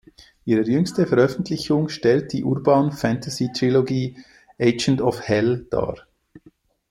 Ihre jüngste Veröffentlichung stellt die Urban Fantasy-Trilogie "Agent of Hel" dar.